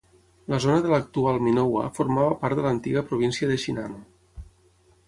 La zona de l'actual Minowa formava part de l'antiga província de Shinano.